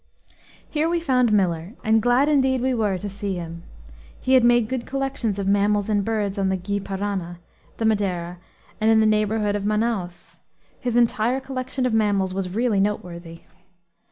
Here we found Miller, and glad indeed we were to see him. He had made good collections of mammals and birds on the Gy Parana, the Madeira, and in the neighborhood of Manaos; his entire collection of mammals was really noteworthy.